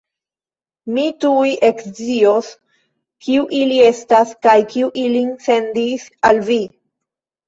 Mi tuj ekscios, kiu ili estas kaj kiu ilin sendis al vi!